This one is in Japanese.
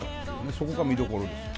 そこが見どころですよ。